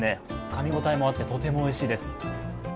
かみ応えもあってとてもおいしいです。